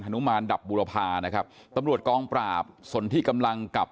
นุมานดับบุรพานะครับตำรวจกองปราบสนที่กำลังกับ